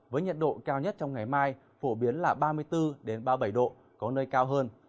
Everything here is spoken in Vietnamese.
với nhiệt độ cao nhất trong ngày mai phổ biến là ba mươi bốn ba mươi bảy độ có nơi cao hơn